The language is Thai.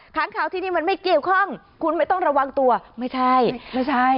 ค้างข่าวที่นี่มันไม่เกี่ยวข้องคุณไม่ต้องระวังตัวไม่ใช่ไม่ใช่